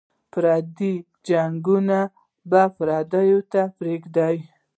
پردي جنګونه به پردیو ته پرېږدو.